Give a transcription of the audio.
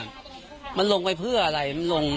มันลงไปเพื่ออะไร